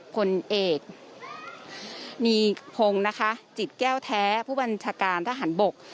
ผลเอกมีพงศ์นะคะจิตแก้วแท้ผู้บัญชาการทหารบก